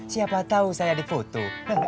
siapa tahu saya di foto